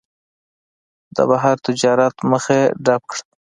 د بهر تجارت مخه یې ډپ کړه.